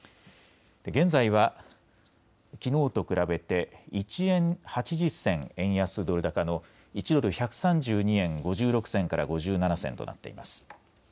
現在は、きのうと比べて１円８０銭円安ドル高の１ドル１３２円５６銭から５７銭となっています。